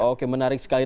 oke menarik sekali